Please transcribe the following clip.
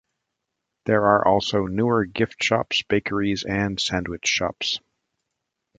There are also newer gift shops, bakeries and sandwich shops.